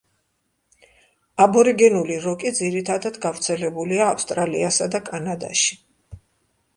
აბორიგენული როკი ძირითადად გავრცელებულია ავსტრალიასა და კანადაში.